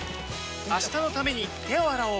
明日のために手を洗おう